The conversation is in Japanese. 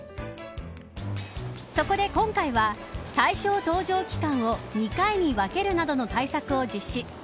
そこで今回は対象搭乗期間を２回に分けるなどの対策を実施。